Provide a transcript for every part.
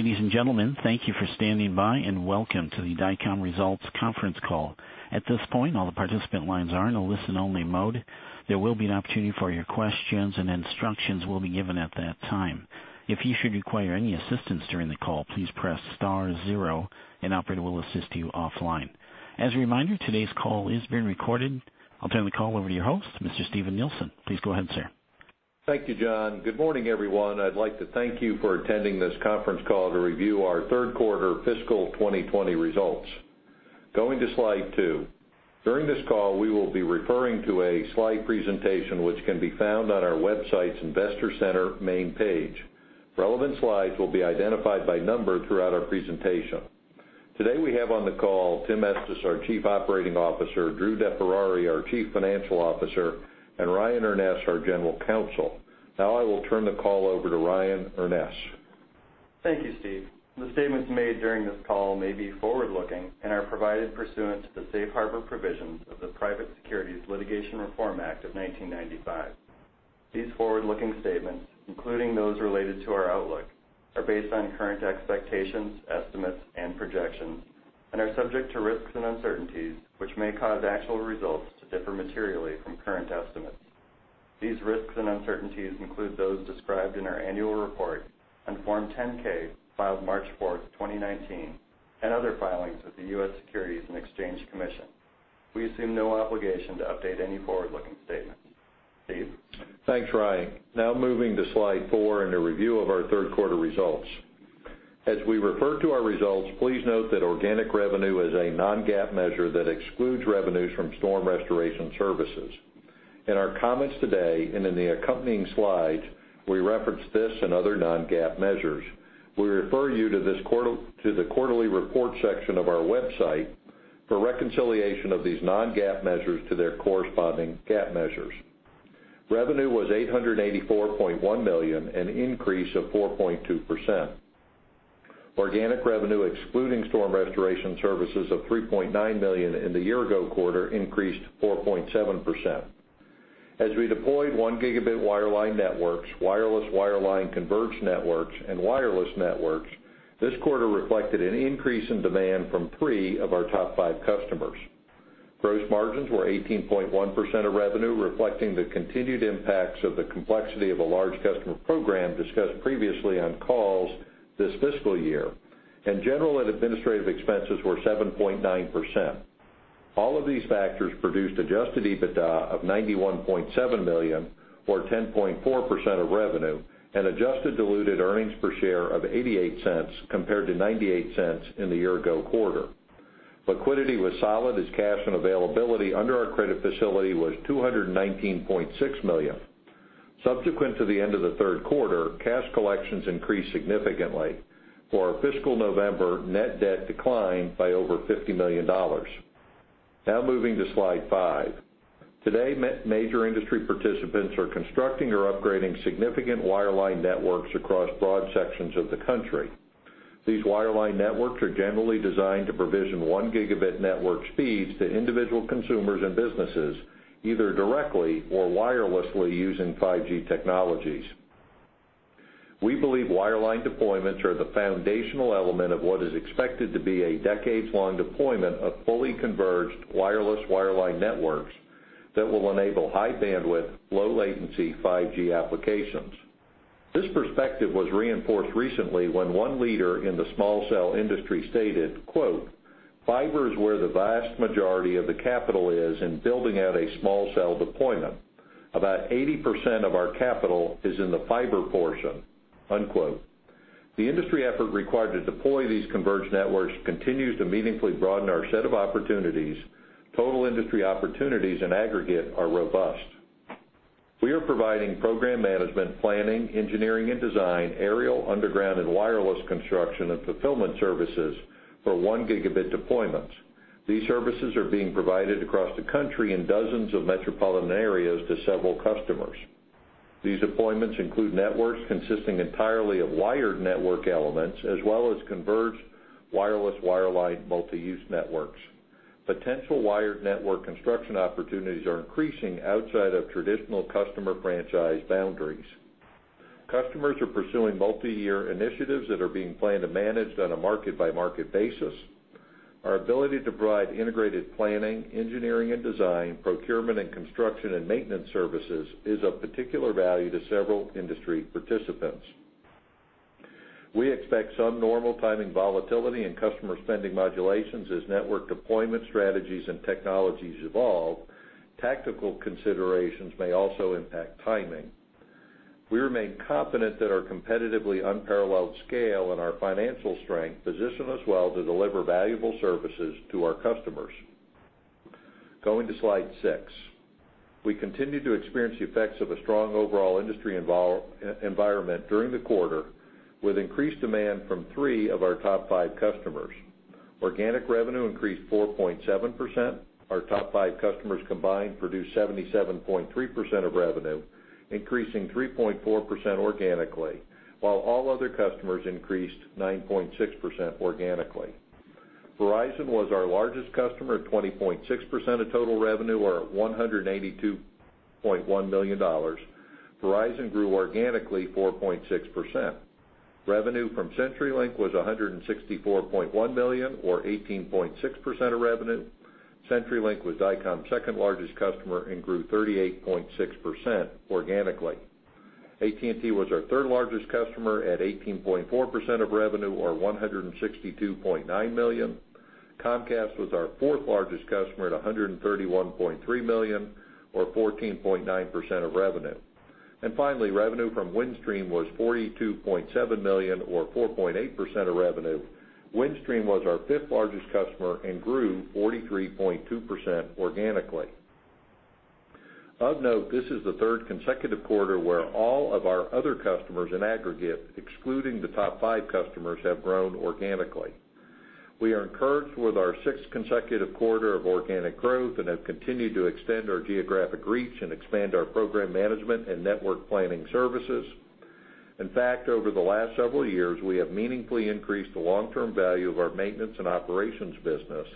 Ladies and gentlemen, thank you for standing by, and welcome to the Dycom results conference call. At this point, all the participant lines are in a listen-only mode. There will be an opportunity for your questions, and instructions will be given at that time. If you should require any assistance during the call, please press star zero, an operator will assist you offline. As a reminder, today's call is being recorded. I'll turn the call over to your host, Mr. Steven Nielsen. Please go ahead, sir. Thank you, John. Good morning, everyone. I'd like to thank you for attending this conference call to review our third quarter fiscal 2020 results. Going to slide two. During this call, we will be referring to a slide presentation, which can be found on our website's investor center main page. Relevant slides will be identified by number throughout our presentation. Today, we have on the call Tim Estes, our Chief Operating Officer, Drew DeFerrari, our Chief Financial Officer, and Ryan Urness, our General Counsel. Now I will turn the call over to Ryan Urness. Thank you, Steve. The statements made during this call may be forward-looking and are provided pursuant to the safe harbor provisions of the Private Securities Litigation Reform Act of 1995. These forward-looking statements, including those related to our outlook, are based on current expectations, estimates, and projections and are subject to risks and uncertainties, which may cause actual results to differ materially from current estimates. These risks and uncertainties include those described in our annual report on Form 10-K filed March 4th, 2019, and other filings with the U.S. Securities and Exchange Commission. We assume no obligation to update any forward-looking statements. Steve? Thanks, Ryan. Now moving to slide four and a review of our third quarter results. As we refer to our results, please note that organic revenue is a non-GAAP measure that excludes revenues from storm restoration services. In our comments today and in the accompanying slides, we reference this and other non-GAAP measures. We refer you to the quarterly report section of our website for reconciliation of these non-GAAP measures to their corresponding GAAP measures. Revenue was $884.1 million, an increase of 4.2%. Organic revenue excluding storm restoration services of $3.9 million in the year-ago quarter increased 4.7%. As we deployed 1 Gigabit wireline networks, wireless wireline converged networks and wireless networks, this quarter reflected an increase in demand from three of our top five customers. Gross margins were 18.1% of revenue, reflecting the continued impacts of the complexity of a large customer program discussed previously on calls this fiscal year, and general and administrative expenses were 7.9%. All of these factors produced adjusted EBITDA of $91.7 million or 10.4% of revenue and adjusted diluted earnings per share of $0.88 compared to $0.98 in the year ago quarter. Liquidity was solid as cash and availability under our credit facility was $219.6 million. Subsequent to the end of the third quarter, cash collections increased significantly. For our fiscal November, net debt declined by over $50 million. Moving to slide five. Today, major industry participants are constructing or upgrading significant wireline networks across broad sections of the country. These wireline networks are generally designed to provision one Gigabit network speeds to individual consumers and businesses, either directly or wirelessly using 5G technologies. We believe wireline deployments are the foundational element of what is expected to be a decades-long deployment of fully converged wireless wireline networks that will enable high bandwidth, low latency 5G applications. This perspective was reinforced recently when one leader in the small cell industry stated, quote, "Fiber is where the vast majority of the capital is in building out a small cell deployment. About 80% of our capital is in the fiber portion." Unquote. The industry effort required to deploy these converged networks continues to meaningfully broaden our set of opportunities. Total industry opportunities in aggregate are robust. We are providing program management planning, engineering and design, aerial, underground, and wireless construction and fulfillment services for 1 Gigabit deployments. These services are being provided across the country in dozens of metropolitan areas to several customers. These deployments include networks consisting entirely of wired network elements, as well as converged wireless wireline multi-use networks. Potential wired network construction opportunities are increasing outside of traditional customer franchise boundaries. Customers are pursuing multi-year initiatives that are being planned and managed on a market-by-market basis. Our ability to provide integrated planning, engineering and design, procurement and construction and maintenance services is of particular value to several industry participants. We expect some normal timing volatility and customer spending modulations as network deployment strategies and technologies evolve. Tactical considerations may also impact timing. We remain confident that our competitively unparalleled scale and our financial strength position us well to deliver valuable services to our customers. Going to slide six. We continue to experience the effects of a strong overall industry environment during the quarter, with increased demand from three of our top five customers. Organic revenue increased 4.7%. Our top five customers combined produced 77.3% of revenue, increasing 3.4% organically, while all other customers increased 9.6% organically. Verizon was our largest customer at 20.6% of total revenue, or at $182.1 million. Verizon grew organically 4.6%. Revenue from CenturyLink was $164.1 million, or 18.6% of revenue. CenturyLink was Dycom's second largest customer and grew 38.6% organically. AT&T was our third largest customer at 18.4% of revenue, or $162.9 million. Comcast was our fourth largest customer at $131.3 million, or 14.9% of revenue. Finally, revenue from Windstream was $42.7 million or 4.8% of revenue. Windstream was our fifth largest customer and grew 43.2% organically. Of note, this is the third consecutive quarter where all of our other customers in aggregate, excluding the top five customers, have grown organically. We are encouraged with our sixth consecutive quarter of organic growth and have continued to extend our geographic reach and expand our program management and network planning services. In fact, over the last several years, we have meaningfully increased the long-term value of our maintenance and operations business,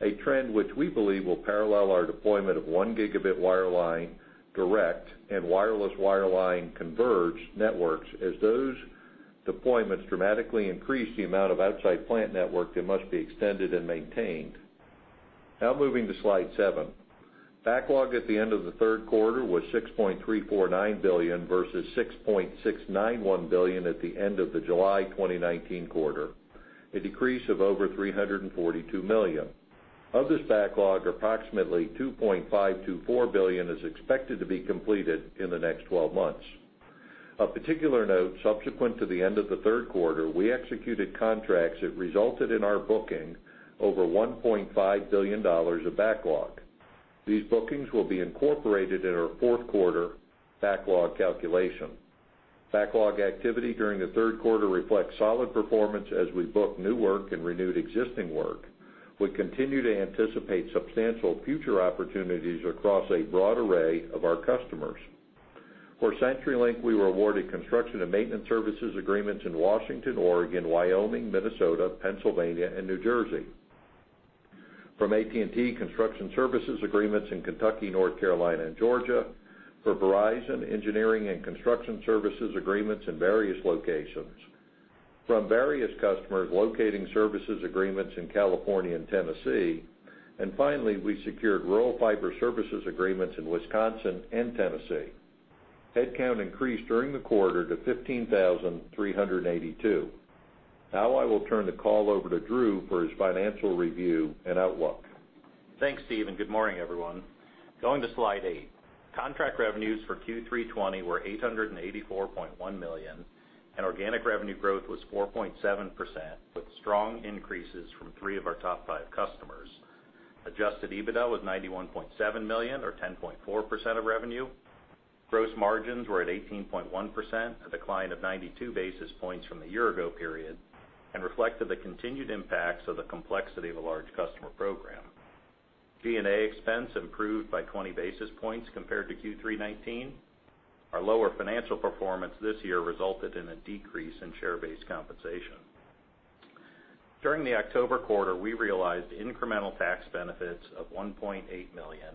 a trend which we believe will parallel our deployment of 1 Gigabit wireline, direct, and wireless wireline converged networks as those deployments dramatically increase the amount of outside plant network that must be extended and maintained. Moving to slide seven. Backlog at the end of the third quarter was $6.349 billion versus $6.691 billion at the end of the July 2019 quarter, a decrease of over $342 million. Of this backlog, approximately $2.524 billion is expected to be completed in the next 12 months. Of particular note, subsequent to the end of the third quarter, we executed contracts that resulted in our booking over $1.5 billion of backlog. These bookings will be incorporated in our fourth quarter backlog calculation. Backlog activity during the third quarter reflects solid performance as we book new work and renewed existing work. We continue to anticipate substantial future opportunities across a broad array of our customers. For CenturyLink, we were awarded construction and maintenance services agreements in Washington, Oregon, Wyoming, Minnesota, Pennsylvania, and New Jersey. From AT&T, construction services agreements in Kentucky, North Carolina, and Georgia. For Verizon, engineering and construction services agreements in various locations. From various customers, locating services agreements in California and Tennessee. Finally, we secured rural fiber services agreements in Wisconsin and Tennessee. Headcount increased during the quarter to 15,382. Now I will turn the call over to Drew for his financial review and outlook. Thanks, Steve. Good morning, everyone. Going to slide eight. Contract revenues for Q3 2020 were $884.1 million, organic revenue growth was 4.7%, with strong increases from three of our top five customers. Adjusted EBITDA was $91.7 million, or 10.4% of revenue. Gross margins were at 18.1%, a decline of 92 basis points from the year ago period, reflected the continued impacts of the complexity of a large customer program. G&A expense improved by 20 basis points compared to Q3 2019. Our lower financial performance this year resulted in a decrease in share-based compensation. During the October quarter, we realized incremental tax benefits of $1.8 million,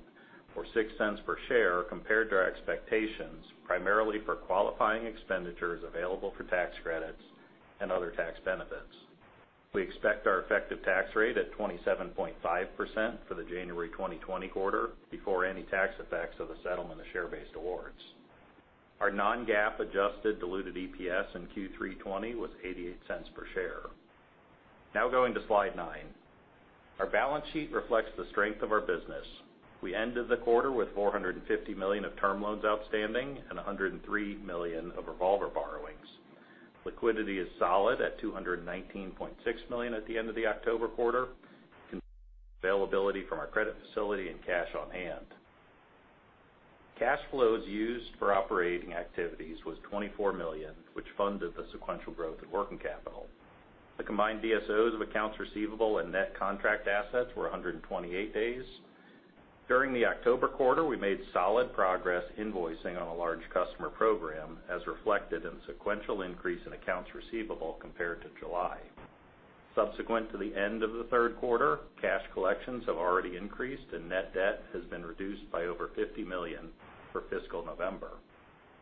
or $0.06 per share, compared to our expectations, primarily for qualifying expenditures available for tax credits and other tax benefits. We expect our effective tax rate at 27.5% for the January 2020 quarter before any tax effects of the settlement of share-based awards. Our non-GAAP adjusted diluted EPS in Q3 2020 was $0.88 per share. Going to slide nine. Our balance sheet reflects the strength of our business. We ended the quarter with $450 million of term loans outstanding and $103 million of revolver borrowings. Liquidity is solid at $219.6 million at the end of the October quarter, availability from our credit facility and cash on hand. Cash flows used for operating activities was $24 million, which funded the sequential growth in working capital. The combined DSOs of accounts receivable and net contract assets were 128 days. During the October quarter, we made solid progress invoicing on a large customer program, as reflected in the sequential increase in accounts receivable compared to July. Subsequent to the end of the third quarter, cash collections have already increased, and net debt has been reduced by over $50 million for fiscal November.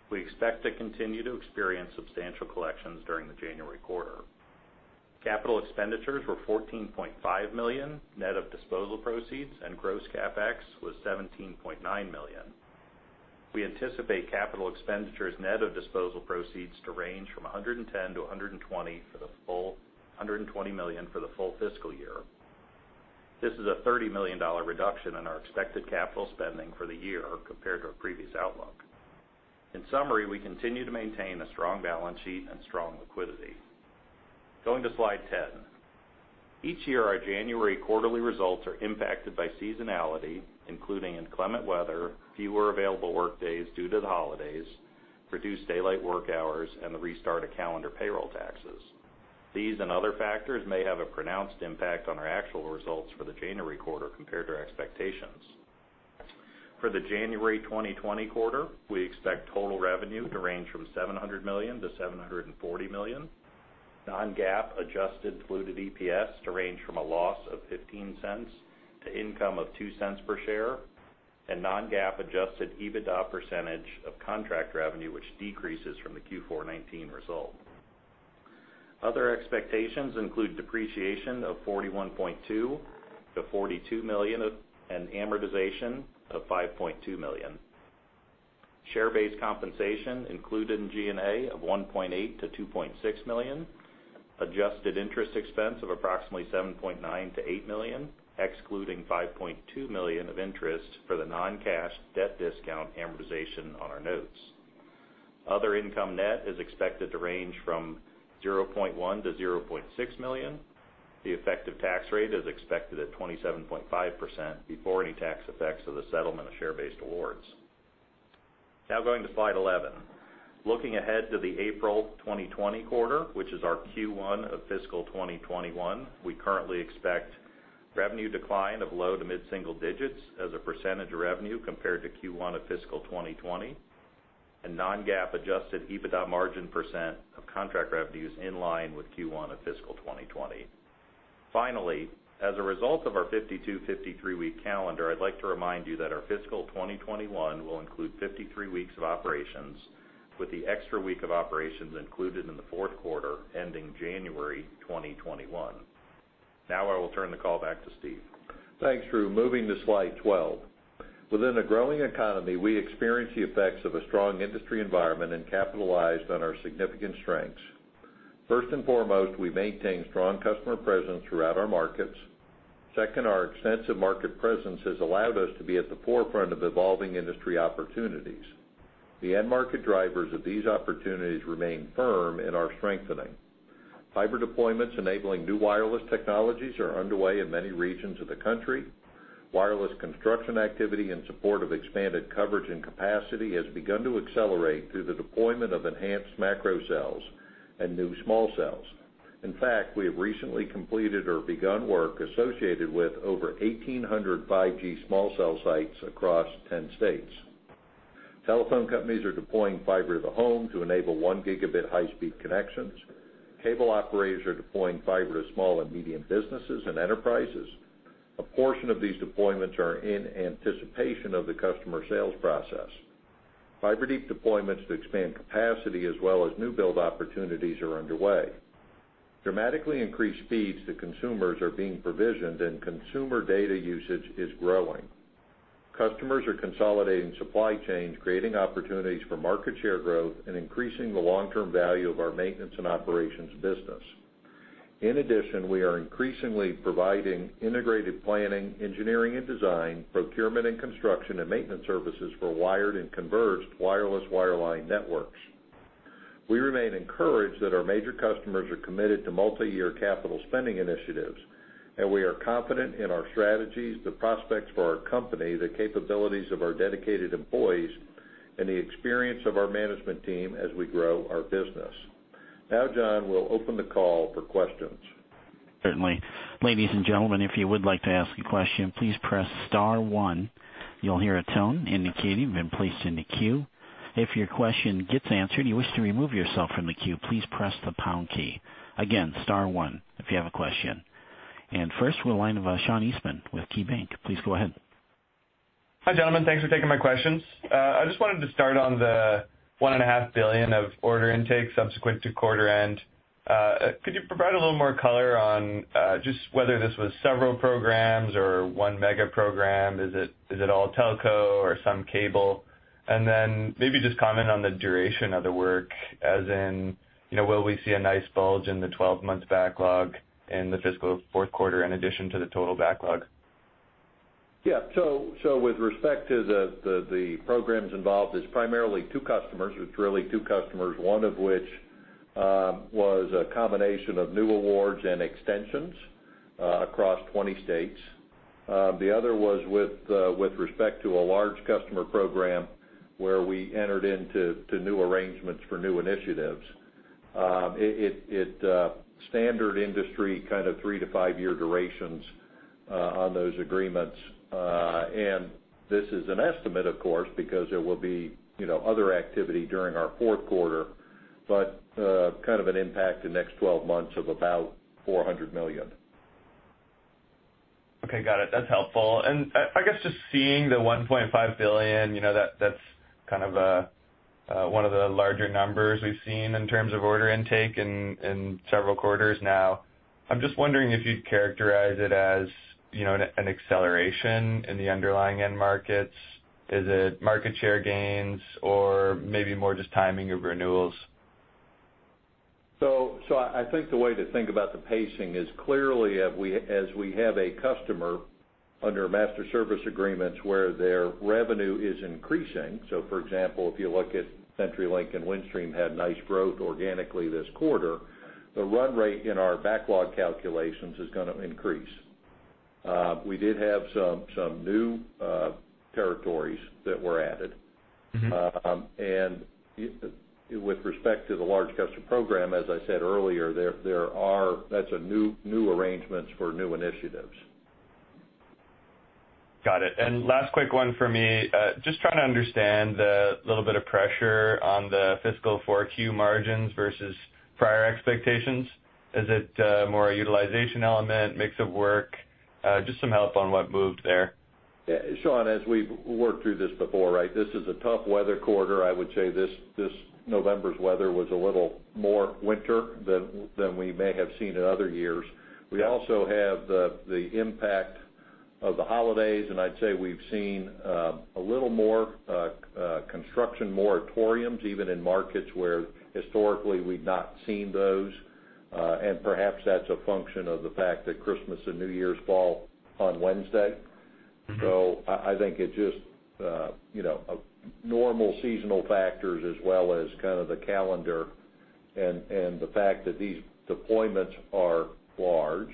We expect to continue to experience substantial collections during the January quarter. Capital expenditures were $14.5 million, net of disposal proceeds, and gross CapEx was $17.9 million. We anticipate capital expenditures net of disposal proceeds to range from $110 million-$120 million for the full fiscal year. This is a $30 million reduction in our expected capital spending for the year compared to our previous outlook. In summary, we continue to maintain a strong balance sheet and strong liquidity. Going to slide 10. Each year, our January quarterly results are impacted by seasonality, including inclement weather, fewer available workdays due to the holidays, reduced daylight work hours, and the restart of calendar payroll taxes. These and other factors may have a pronounced impact on our actual results for the January quarter compared to our expectations. For the January 2020 quarter, we expect total revenue to range from $700 million-$740 million, non-GAAP adjusted diluted EPS to range from a loss of $0.15 to income of $0.02 per share, and non-GAAP adjusted EBITDA percentage of contract revenue, which decreases from the Q4 2019 result. Other expectations include depreciation of $41.2 million-$42 million, and amortization of $5.2 million. Share-based compensation included in G&A of $1.8 million-$2.6 million, adjusted interest expense of approximately $7.9 million-$8 million, excluding $5.2 million of interest for the non-cash debt discount amortization on our notes. Other income net is expected to range from $0.1 million-$0.6 million. The effective tax rate is expected at 27.5% before any tax effects of the settlement of share-based awards. Now going to slide 11. Looking ahead to the April 2020 quarter, which is our Q1 of fiscal 2021, we currently expect revenue decline of low to mid-single digits as a % of revenue compared to Q1 of fiscal 2020, and non-GAAP adjusted EBITDA margin % of contract revenues in line with Q1 of fiscal 2020. Finally, as a result of our 52, 53-week calendar, I'd like to remind you that our fiscal 2021 will include 53 weeks of operations, with the extra week of operations included in the fourth quarter, ending January 2021. Now I will turn the call back to Steve. Thanks, Drew. Moving to slide 12. Within a growing economy, we experience the effects of a strong industry environment and capitalized on our significant strengths. First and foremost, we maintain strong customer presence throughout our markets. Second, our extensive market presence has allowed us to be at the forefront of evolving industry opportunities. The end market drivers of these opportunities remain firm and are strengthening. Fiber deployments enabling new wireless technologies are underway in many regions of the country. Wireless construction activity in support of expanded coverage and capacity has begun to accelerate through the deployment of enhanced macro cells and new small cells. In fact, we have recently completed or begun work associated with over 1,800 5G small cell sites across 10 states. Telephone companies are deploying fiber to the home to enable 1 Gigabit high-speed connections. Cable operators are deploying fiber to small and medium businesses and enterprises. A portion of these deployments are in anticipation of the customer sales process. Fiber deep deployments to expand capacity as well as new build opportunities are underway. Dramatically increased speeds to consumers are being provisioned and consumer data usage is growing. Customers are consolidating supply chains, creating opportunities for market share growth, and increasing the long-term value of our maintenance and operations business. In addition, we are increasingly providing integrated planning, engineering and design, procurement and construction, and maintenance services for wired and converged wireless wireline networks. We remain encouraged that our major customers are committed to multi-year capital spending initiatives, and we are confident in our strategies, the prospects for our company, the capabilities of our dedicated employees, and the experience of our management team as we grow our business. Now, John, we'll open the call for questions. Certainly. Ladies and gentlemen, if you would like to ask a question, please press *1. You'll hear a tone indicating you've been placed in the queue. If your question gets answered and you wish to remove yourself from the queue, please press the # key. Again, *1 if you have a question. First, we'll line of Sean Eastman with KeyBanc. Please go ahead. Hi, gentlemen. Thanks for taking my questions. I just wanted to start on the $1.5 billion of order intake subsequent to quarter end. Could you provide a little more color on just whether this was several programs or one mega program? Is it all telco or some cable? Maybe just comment on the duration of the work, as in will we see a nice bulge in the 12 months backlog in the fiscal fourth quarter, in addition to the total backlog? With respect to the programs involved, it's primarily two customers. It's really two customers, one of which was a combination of new awards and extensions across 20 states. The other was with respect to a large customer program where we entered into new arrangements for new initiatives. Standard industry kind of three to five-year durations on those agreements. This is an estimate, of course, because there will be other activity during our fourth quarter, but kind of an impact the next 12 months of about $400 million. Okay, got it. That's helpful. I guess just seeing the $1.5 billion, that's kind of one of the larger numbers we've seen in terms of order intake in several quarters now. I'm just wondering if you'd characterize it as an acceleration in the underlying end markets. Is it market share gains or maybe more just timing of renewals? I think the way to think about the pacing is clearly as we have a customer under master service agreements where their revenue is increasing, so for example, if you look at CenturyLink and Windstream had nice growth organically this quarter, the run rate in our backlog calculations is going to increase. We did have some new territories that were added With respect to the large customer program, as I said earlier, that's a new arrangement for new initiatives. Got it. Last quick one for me. Just trying to understand a little bit of pressure on the fiscal 4Q margins versus prior expectations. Is it more a utilization element, mix of work? Just some help on what moved there. Yeah. Sean, as we've worked through this before, right? This is a tough weather quarter. I would say this November's weather was a little more winter than we may have seen in other years. Yeah. We also have the impact of the holidays, and I'd say we've seen a little more construction moratoriums even in markets where historically we've not seen those. Perhaps that's a function of the fact that Christmas and New Year's fall on Wednesday. I think it just, normal seasonal factors as well as kind of the calendar and the fact that these deployments are large.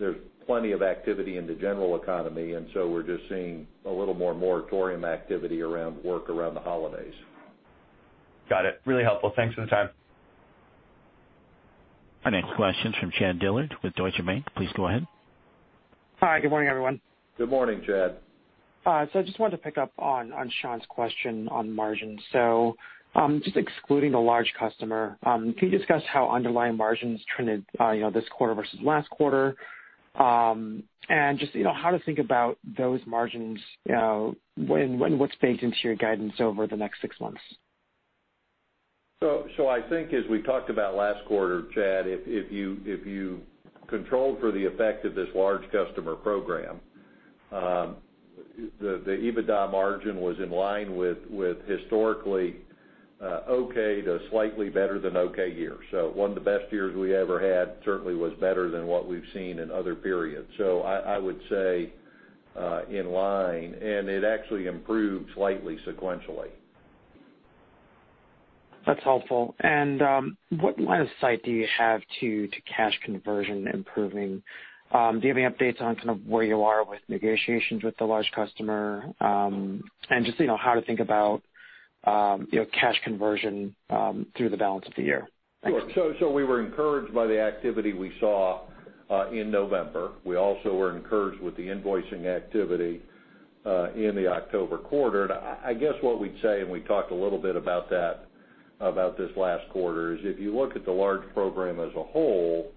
There's plenty of activity in the general economy. We're just seeing a little more moratorium activity around work around the holidays. Got it. Really helpful. Thanks for the time. Our next question's from Chad Dillard with Deutsche Bank. Please go ahead. Hi, good morning, everyone. Good morning, Chad. I just wanted to pick up on Sean's question on margins. Just excluding the large customer, can you discuss how underlying margins trended this quarter versus last quarter? Just how to think about those margins, what's baked into your guidance over the next six months? I think as we talked about last quarter, Chad, if you controlled for the effect of this large customer program, the EBITDA margin was in line with historically, okay to slightly better than okay year. One of the best years we ever had certainly was better than what we've seen in other periods. I would say, in line, and it actually improved slightly sequentially. That's helpful. What line of sight do you have to cash conversion improving? Do you have any updates on kind of where you are with negotiations with the large customer? Just how to think about cash conversion through the balance of the year. Thanks. Sure. We were encouraged by the activity we saw in November. We also were encouraged with the invoicing activity, in the October quarter. I guess what we'd say, and we talked a little bit about that, about this last quarter, is if you look at the large program as a whole,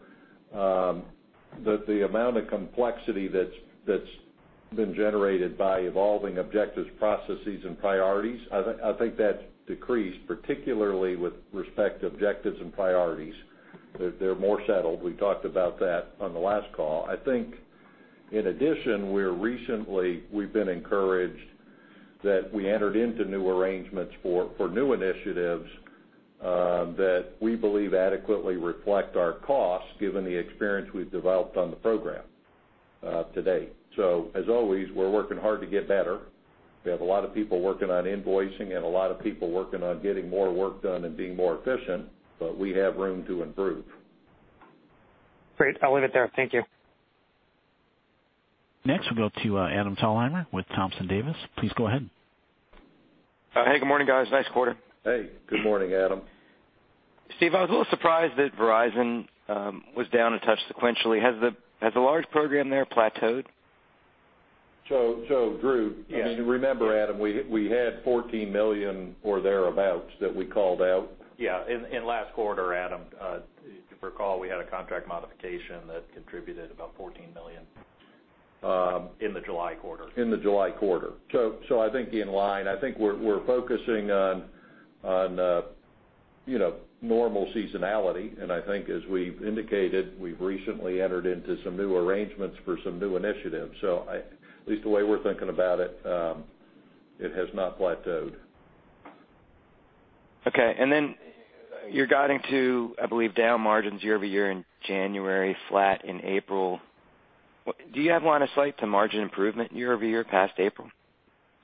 the amount of complexity that's been generated by evolving objectives, processes and priorities, I think that's decreased, particularly with respect to objectives and priorities. They're more settled. We talked about that on the last call. I think in addition, we're recently, we've been encouraged that we entered into new arrangements for new initiatives that we believe adequately reflect our costs given the experience we've developed on the program to date. As always, we're working hard to get better. We have a lot of people working on invoicing and a lot of people working on getting more work done and being more efficient, but we have room to improve. Great. I'll leave it there. Thank you. Next we'll go to Adam Thalhimer with Thompson Davis. Please go ahead. Hey, good morning, guys. Nice quarter. Hey, good morning, Adam. Steve, I was a little surprised that Verizon was down a touch sequentially. Has the large program there plateaued? Drew. Yes. I mean, remember, Adam, we had $14 million or thereabouts that we called out. In last quarter, Adam, if you recall, we had a contract modification that contributed about $14 million in the July quarter. In the July quarter. I think in line, I think we're focusing on normal seasonality, and I think as we've indicated, we've recently entered into some new arrangements for some new initiatives. At least the way we're thinking about it has not plateaued. Okay. Then you're guiding to, I believe, down margins year-over-year in January, flat in April. Do you have line of sight to margin improvement year-over-year past April?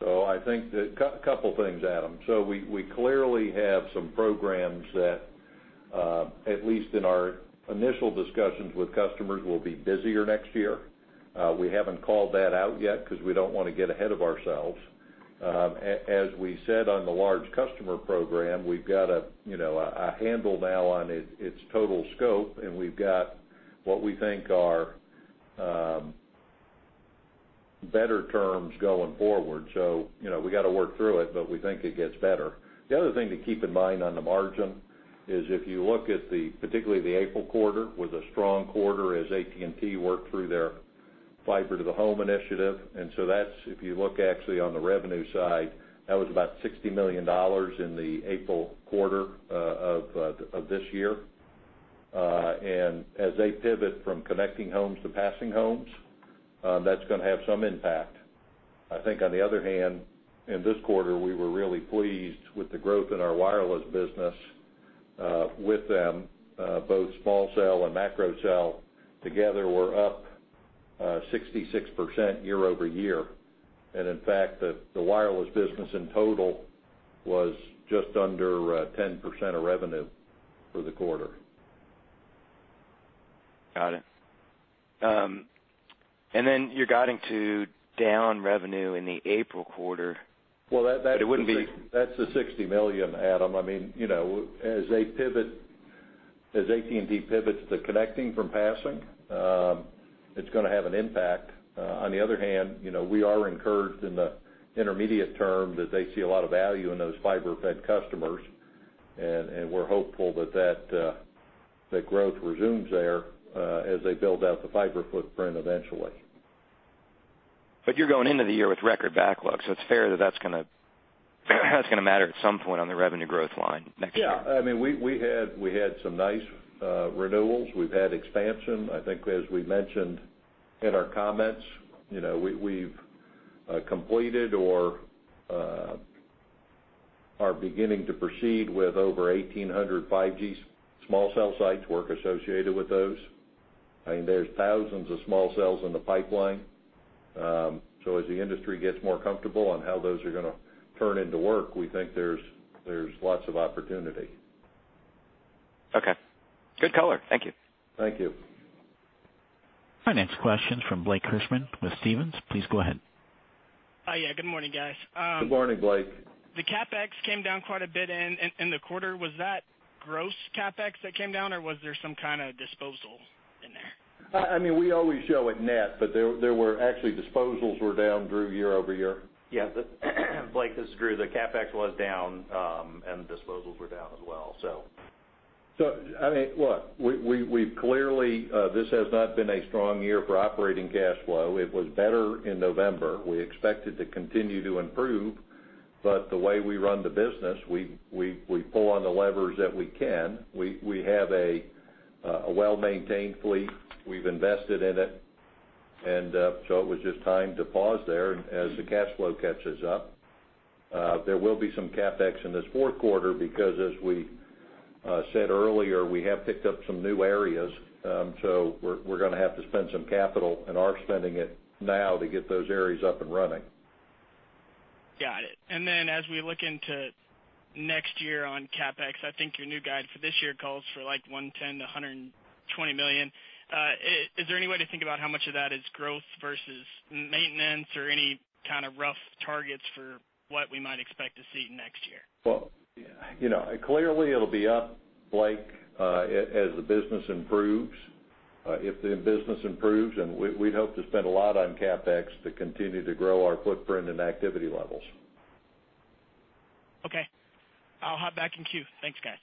I think couple things, Adam. We clearly have some programs that, at least in our initial discussions with customers, will be busier next year. We haven't called that out yet because we don't want to get ahead of ourselves. As we said on the large customer program, we've got a handle now on its total scope, and we've got what we think are better terms going forward. We got to work through it, but we think it gets better. The other thing to keep in mind on the margin is if you look at the, particularly the April quarter, was a strong quarter as AT&T worked through their fiber to the home initiative. That's, if you look actually on the revenue side, that was about $60 million in the April quarter of this year. As they pivot from connecting homes to passing homes, that's going to have some impact. I think on the other hand, in this quarter, we were really pleased with the growth in our wireless business, with them, both small cell and macro cell together were up, 66% year-over-year. In fact, the wireless business in total was just under 10% of revenue for the quarter. Got it. Then you're guiding to down revenue in the April quarter. Well, that's the $60 million, Adam. As AT&T pivots to connecting from passing, it's going to have an impact. On the other hand, we are encouraged in the intermediate term that they see a lot of value in those fiber-fed customers, and we're hopeful that growth resumes there, as they build out the fiber footprint eventually. You're going into the year with record backlogs, so it's fair that that's going to matter at some point on the revenue growth line next year. Yeah. We had some nice renewals. We've had expansion. I think as we mentioned in our comments, we've completed or are beginning to proceed with over 1,800 5G small cell sites work associated with those. There's thousands of small cells in the pipeline. As the industry gets more comfortable on how those are going to turn into work, we think there's lots of opportunity. Okay. Good color. Thank you. Thank you. Our next question from Blake Hirschman with Stephens. Please go ahead. Hi. Yeah. Good morning, guys. Good morning, Blake. The CapEx came down quite a bit in the quarter. Was that gross CapEx that came down or was there some kind of disposal in there? We always show it net, but there were actually disposals were down, Drew, year-over-year. Yes, Blake, this is Drew. The CapEx was down, and the disposals were down as well. Look, clearly, this has not been a strong year for operating cash flow. It was better in November. We expect it to continue to improve. The way we run the business, we pull on the levers that we can. We have a well-maintained fleet. We've invested in it. It was just time to pause there as the cash flow catches up. There will be some CapEx in this fourth quarter because as we said earlier, we have picked up some new areas. We're going to have to spend some capital and are spending it now to get those areas up and running. Got it. As we look into next year on CapEx, I think your new guide for this year calls for like $110 million-$120 million. Is there any way to think about how much of that is growth versus maintenance or any kind of rough targets for what we might expect to see next year? Well, clearly, it'll be up, Blake, as the business improves. If the business improves, we'd hope to spend a lot on CapEx to continue to grow our footprint and activity levels. Okay. I'll hop back in queue. Thanks, guys.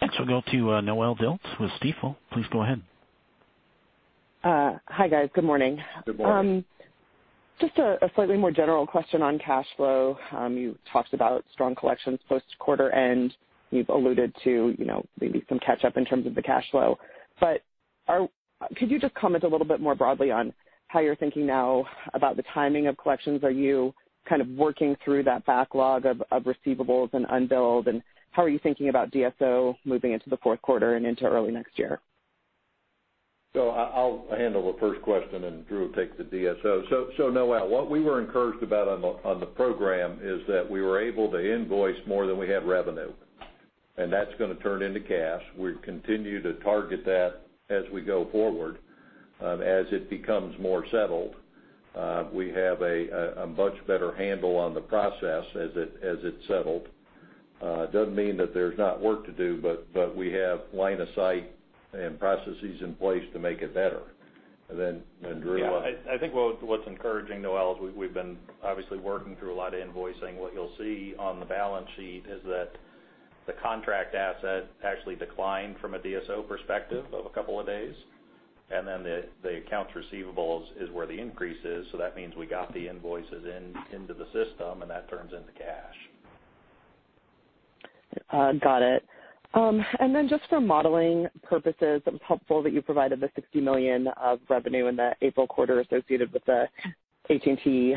Next, we'll go to Noelle Dilts with Stifel. Please go ahead. Hi, guys. Good morning. Good morning. Just a slightly more general question on cash flow. You talked about strong collections post-quarter, and you've alluded to maybe some catch-up in terms of the cash flow. Could you just comment a little bit more broadly on how you're thinking now about the timing of collections? Are you working through that backlog of receivables and unbilled? How are you thinking about DSO moving into the fourth quarter and into early next year? I'll handle the first question. Drew will take the DSO. Noelle, what we were encouraged about on the program is that we were able to invoice more than we had revenue, and that's going to turn into cash. We continue to target that as we go forward. As it becomes more settled, we have a much better handle on the process as it's settled. It doesn't mean that there's not work to do, but we have line of sight and processes in place to make it better. Drew. Yeah, I think what's encouraging, Noelle, is we've been obviously working through a lot of invoicing. What you'll see on the balance sheet is that the contract asset actually declined from a DSO perspective of a couple of days, and then the accounts receivables is where the increase is. That means we got the invoices into the system, and that turns into cash. Got it. Just for modeling purposes, it was helpful that you provided the $60 million of revenue in the April quarter associated with the AT&T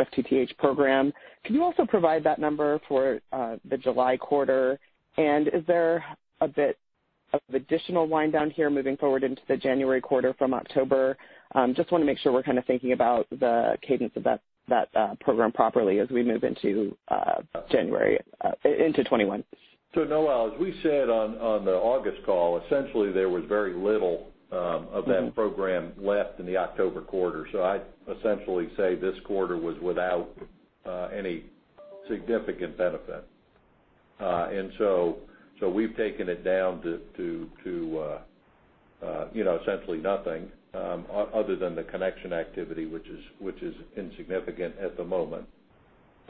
FTTH program. Can you also provide that number for the July quarter? Is there a bit of additional wind down here moving forward into the January quarter from October? Just want to make sure we're thinking about the cadence of that program properly as we move into January, into 2021. Noelle, as we said on the August call, essentially, there was very little of that program left in the October quarter. I'd essentially say this quarter was without any significant benefit. We've taken it down to essentially nothing, other than the connection activity, which is insignificant at the moment.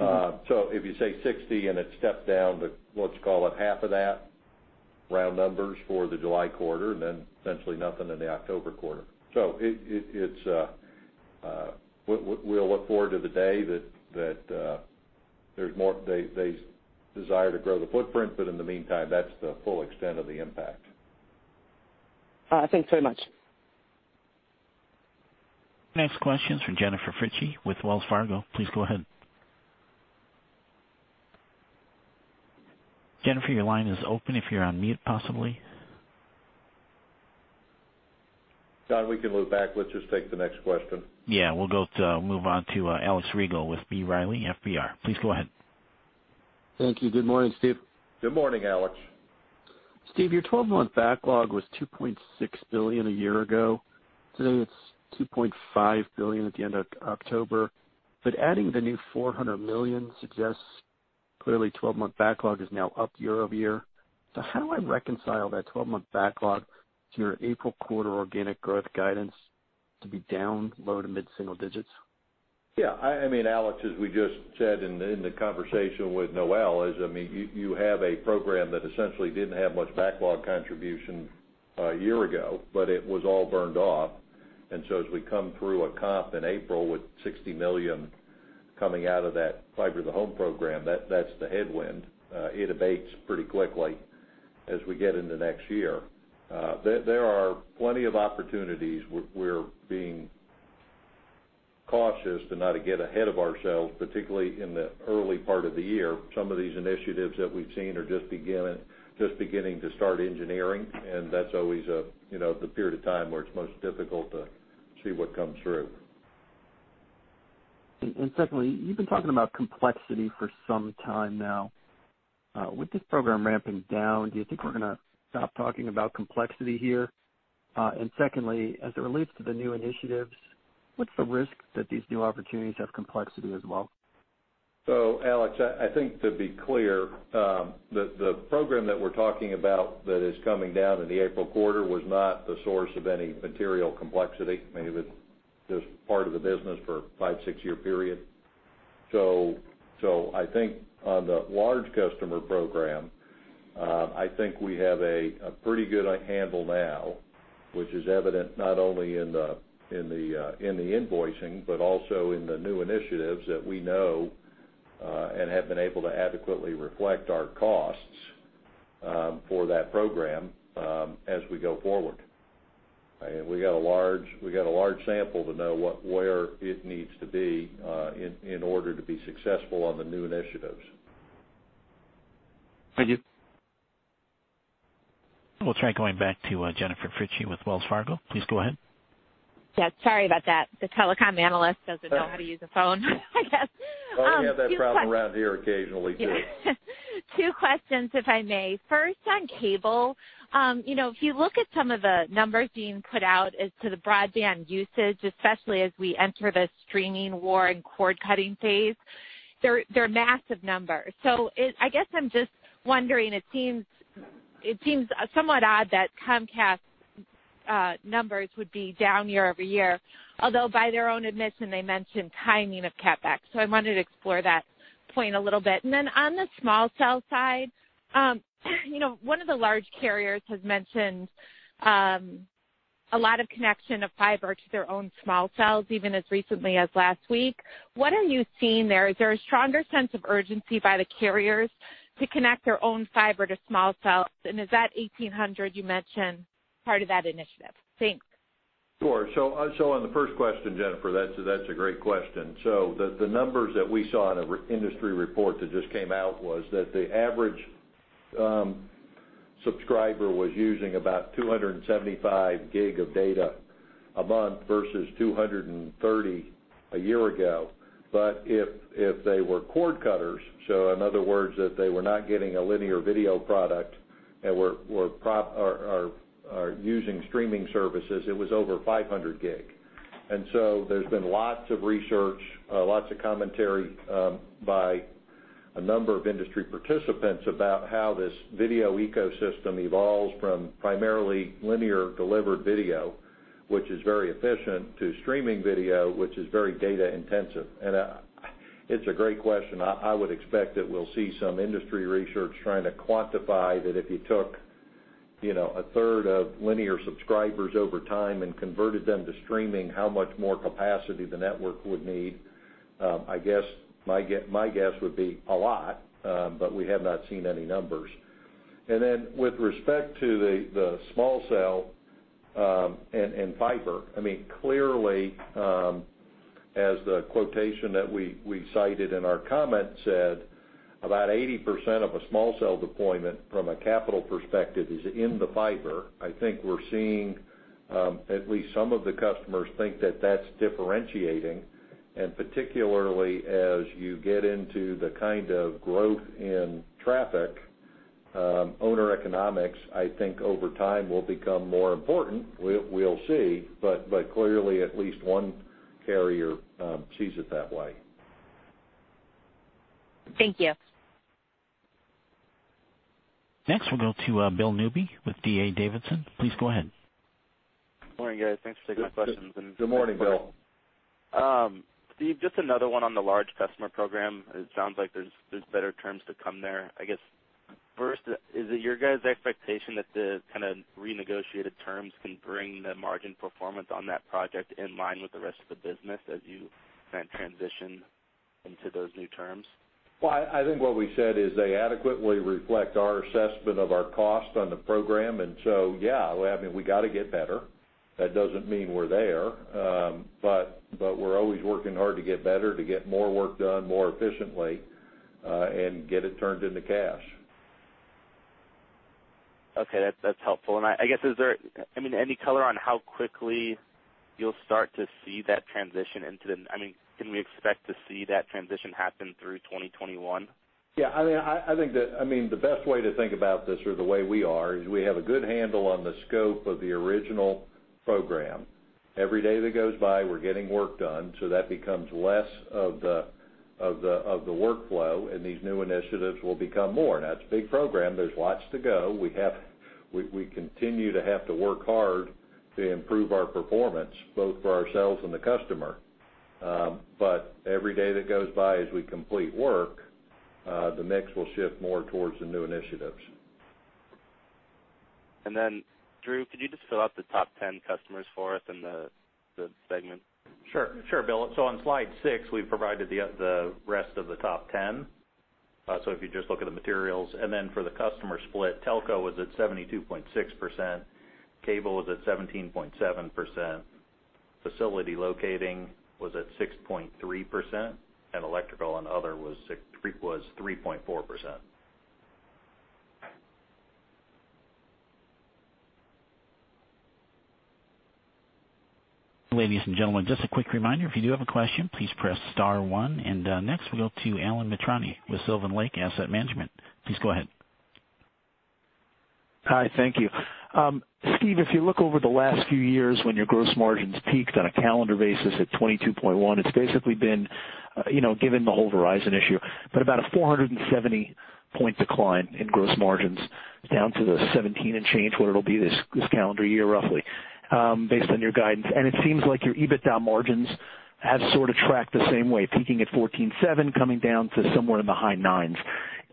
If you say 60 and it stepped down to, let's call it half of that, round numbers for the July quarter, and then essentially nothing in the October quarter. We'll look forward to the day that they desire to grow the footprint. In the meantime, that's the full extent of the impact. Thanks very much. Next question's from Jennifer Fritzsche with Wells Fargo. Please go ahead. Jennifer, your line is open if you're on mute, possibly. John, we can move back. Let's just take the next question. Yeah, we'll move on to Alex Rygiel with B. Riley FBR. Please go ahead. Thank you. Good morning, Steve. Good morning, Alex. Steve, your 12-month backlog was $2.6 billion a year ago. Today, it's $2.5 billion at the end of October. Adding the new $400 million suggests clearly 12-month backlog is now up year-over-year. How do I reconcile that 12-month backlog to your April quarter organic growth guidance to be down low to mid-single digits? Yeah. Alex, as we just said in the conversation with Noelle is, you have a program that essentially didn't have much backlog contribution a year ago, but it was all burned off. As we come through a comp in April with $60 million coming out of that fiber to the home program, that's the headwind. It abates pretty quickly as we get into next year. There are plenty of opportunities. We're being cautious to not get ahead of ourselves, particularly in the early part of the year. Some of these initiatives that we've seen are just beginning to start engineering, and that's always the period of time where it's most difficult to see what comes through. Secondly, you've been talking about complexity for some time now. With this program ramping down, do you think we're gonna stop talking about complexity here? Secondly, as it relates to the new initiatives, what's the risk that these new opportunities have complexity as well? Alex, I think to be clear, the program that we're talking about that is coming down in the April quarter was not the source of any material complexity. It was just part of the business for five, six-year period. I think on the large customer program, I think we have a pretty good handle now, which is evident not only in the invoicing, but also in the new initiatives that we know, and have been able to adequately reflect our costs for that program as we go forward. We got a large sample to know where it needs to be in order to be successful on the new initiatives. Thank you. We'll try going back to Jennifer Fritzsche with Wells Fargo. Please go ahead. Yeah, sorry about that. The telecom analyst doesn't know how to use a phone I guess. Oh, we have that problem around here occasionally, too. Two questions, if I may. First, on cable, if you look at some of the numbers being put out as to the broadband usage, especially as we enter the streaming war and cord-cutting phase, they're massive numbers. I guess I'm just wondering, it seems somewhat odd that Comcast numbers would be down year-over-year, although by their own admission, they mentioned timing of CapEx. I wanted to explore that point a little bit. On the small cell side, one of the large carriers has mentioned a lot of connection of fiber to their own small cells, even as recently as last week. What are you seeing there? Is there a stronger sense of urgency by the carriers to connect their own fiber to small cells? Is that 1,800 you mentioned part of that initiative? Thanks. Sure. On the first question, Jennifer, that's a great question. The numbers that we saw in an industry report that just came out was that the average subscriber was using about 275 GB of data a month versus 230 GB a year ago. If they were cord cutters, in other words, that they were not getting a linear video product and were using streaming services, it was over 500 GB. There's been lots of research, lots of commentary by a number of industry participants about how this video ecosystem evolves from primarily linear delivered video, which is very efficient, to streaming video, which is very data intensive. It's a great question. I would expect that we'll see some industry research trying to quantify that if you took a third of linear subscribers over time and converted them to streaming, how much more capacity the network would need. My guess would be a lot, but we have not seen any numbers. With respect to the small cell and fiber, clearly, as the quotation that we cited in our comment said, about 80% of a small cell deployment from a capital perspective is in the fiber. I think we're seeing at least some of the customers think that that's differentiating. Particularly as you get into the kind of growth in traffic, owner economics, I think over time will become more important. We'll see. Clearly, at least one carrier sees it that way. Thank you. Next, we'll go to Bill Newby with D.A. Davidson. Please go ahead. Good morning, guys. Thanks for taking my questions. Good morning, Bill. Steve, just another one on the large customer program. It sounds like there's better terms to come there. I guess, first, is it your guys' expectation that the kind of renegotiated terms can bring the margin performance on that project in line with the rest of the business as you transition into those new terms? Well, I think what we said is they adequately reflect our assessment of our cost on the program. Yeah, we got to get better. That doesn't mean we're there. We're always working hard to get better, to get more work done more efficiently, and get it turned into cash. Okay. That's helpful. I guess, is there any color on how quickly you'll start to see that transition, can we expect to see that transition happen through 2021? I think that the best way to think about this, or the way we are, is we have a good handle on the scope of the original program. Every day that goes by, we're getting work done, so that becomes less of the workflow, and these new initiatives will become more. It's a big program. There's lots to go. We continue to have to work hard to improve our performance, both for ourselves and the customer. Every day that goes by as we complete work, the mix will shift more towards the new initiatives. Drew, could you just fill out the top 10 customers for us in the segment? Sure, Bill. On slide six, we've provided the rest of the top 10. If you just look at the materials, for the customer split, telco was at 72.6%, cable was at 17.7%, facility locating was at 6.3%, electrical and other was 3.4%. Ladies and gentlemen, just a quick reminder, if you do have a question, please press star one. Next we'll go to Alan Mitrani with Sylvan Lake Asset Management. Please go ahead. Hi, thank you. Steve, if you look over the last few years when your gross margins peaked on a calendar basis at 22.1%, it's basically been, given the whole Verizon issue, but about a 470 point decline in gross margins down to the 17 and change% what it'll be this calendar year, roughly, based on your guidance. It seems like your EBITDA margins have sort of tracked the same way, peaking at 14.7%, coming down to somewhere in the high 9s%.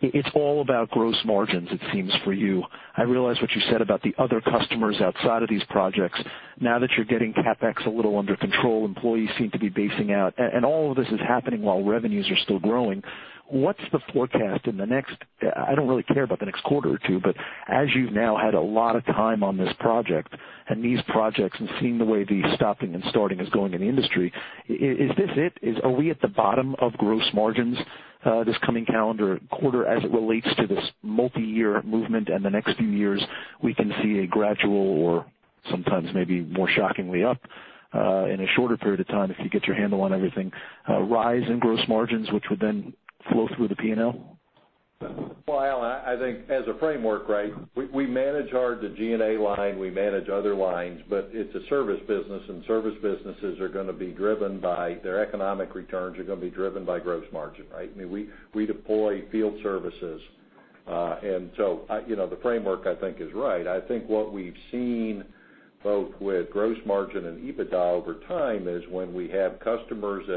It's all about gross margins, it seems, for you. I realize what you said about the other customers outside of these projects. Now that you're getting CapEx a little under control, employees seem to be basing out, and all of this is happening while revenues are still growing. What's the forecast in the next, I don't really care about the next quarter or two, but as you've now had a lot of time on this project and these projects and seen the way the stopping and starting is going in the industry, is this it? Are we at the bottom of gross margins this coming calendar quarter as it relates to this multi-year movement and the next few years, we can see a gradual or sometimes maybe more shockingly up, in a shorter period of time, if you get your handle on everything, a rise in gross margins, which would then flow through the P&L? Well, Alan, I think as a framework, we manage hard the G&A line, we manage other lines, but it's a service business, and service businesses are going to be driven by their economic returns, are going to be driven by gross margin, right? We deploy field services. The framework, I think, is right. I think what we've seen both with gross margin and EBITDA over time is when we have customers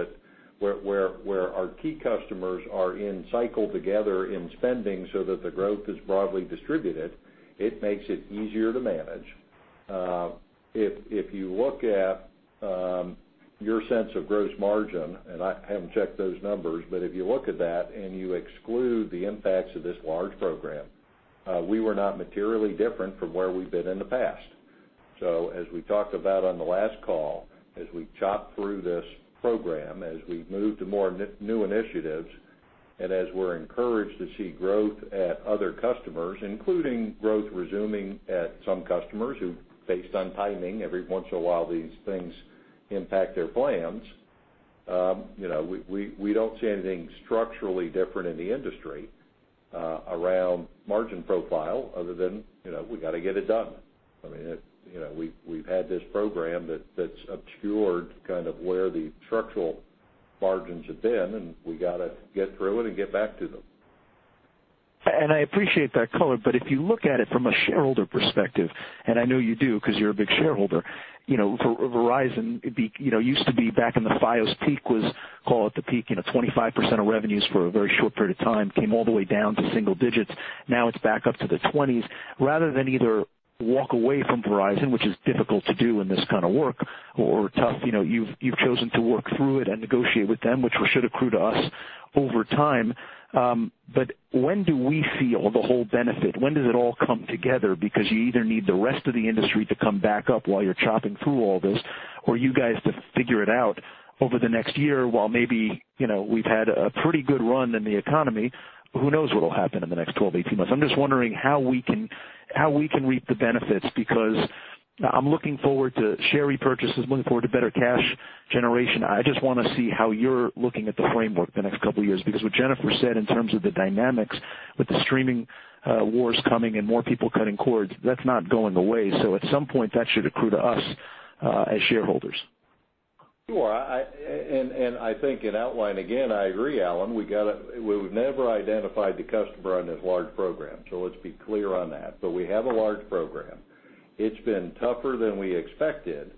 where our key customers are in cycle together in spending so that the growth is broadly distributed, it makes it easier to manage. If you look at your sense of gross margin, and I haven't checked those numbers, but if you look at that and you exclude the impacts of this large program, we were not materially different from where we've been in the past. As we talked about on the last call, as we chop through this program, as we move to more new initiatives, and as we're encouraged to see growth at other customers, including growth resuming at some customers who, based on timing, every once in a while, these things impact their plans. We don't see anything structurally different in the industry around margin profile other than, we got to get it done. We've had this program that's obscured kind of where the structural margins have been, and we got to get through it and get back to them. I appreciate that color. If you look at it from a shareholder perspective, and I know you do because you're a big shareholder, Verizon used to be back in the Fios peak was, call it the peak, 25% of revenues for a very short period of time, came all the way down to single digits. Now it's back up to the 20s. Rather than either walk away from Verizon, which is difficult to do in this kind of work or tough, you've chosen to work through it and negotiate with them, which should accrue to us over time. When do we feel the whole benefit? When does it all come together? You either need the rest of the industry to come back up while you're chopping through all this, or you guys to figure it out over the next year, while maybe, we've had a pretty good run in the economy. Who knows what'll happen in the next 12, 18 months? I'm just wondering how we can reap the benefits, because I'm looking forward to share repurchases, looking forward to better cash generation. I just want to see how you're looking at the framework the next couple of years, because what Jennifer said in terms of the dynamics with the streaming wars coming and more people cutting cords, that's not going away. At some point, that should accrue to us, as shareholders. Sure. I think in outline, again, I agree, Alan. We've never identified the customer on this large program, let's be clear on that. We have a large program. It's been tougher than we expected.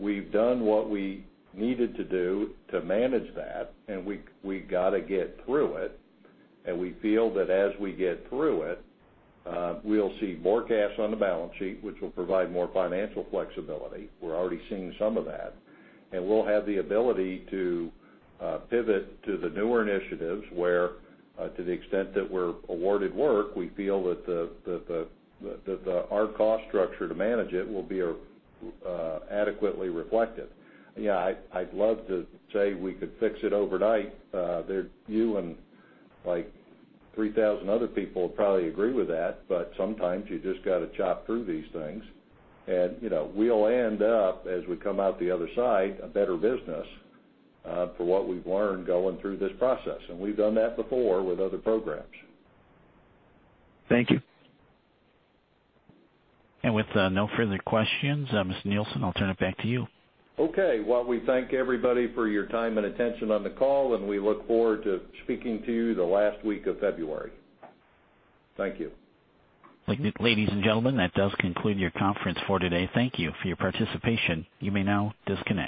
We've done what we needed to do to manage that, and we got to get through it. We feel that as we get through it, we'll see more cash on the balance sheet, which will provide more financial flexibility. We're already seeing some of that, and we'll have the ability to pivot to the newer initiatives where to the extent that we're awarded work, we feel that our cost structure to manage it will be adequately reflected. Yeah, I'd love to say we could fix it overnight. You and like 3,000 other people would probably agree with that, but sometimes you just got to chop through these things. We'll end up, as we come out the other side, a better business, for what we've learned going through this process. We've done that before with other programs. Thank you. With no further questions, Mr. Nielsen, I'll turn it back to you. Okay. Well, we thank everybody for your time and attention on the call, and we look forward to speaking to you the last week of February. Thank you. Ladies and gentlemen, that does conclude your conference for today. Thank you for your participation. You may now disconnect.